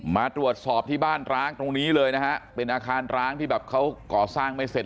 มาตรวจสอบที่บ้านร้างตรงนี้เลยนะฮะเป็นอาคารร้างที่แบบเขาก่อสร้างไม่เสร็จ